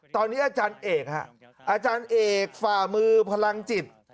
ตอนนี้อาจารย์เอกฮะอาจารย์เอกฝ่ามือพลังจิต